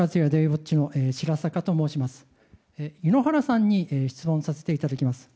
井ノ原さんに質問させていただきます。